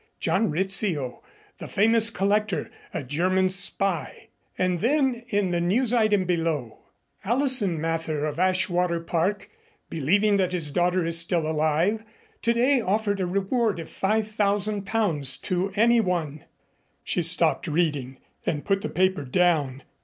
JOHN RIZZIO, THE FAMOUS COLLECTOR, A GERMAN SPY. And then in the news item below: Allison Mather, of Ashwater Park, believing that his daughter is still alive, today offered a reward of five thousand pounds to anyone She stopped reading and put the paper down.